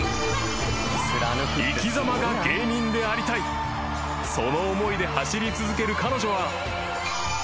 ［「生き様が芸人でありたい」その思いで走り続ける彼女は］